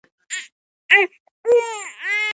زړه مې نه کېده چې ترې بېل شم.